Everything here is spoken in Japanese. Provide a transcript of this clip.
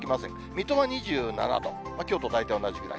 水戸は２７度、きょうと大体同じくらい。